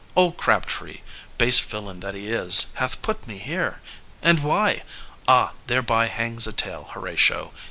Old Crabtree, Base villain that he is, hath put me here! And why? Ah, thereby hangs a tale, Horatio!